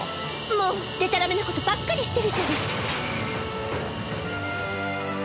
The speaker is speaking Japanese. もうでたらめなことばっかりしてるじゃない。